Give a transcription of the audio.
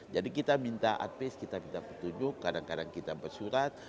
jadi kita minta ad page kita bertujuk kadang kadang kita bersurat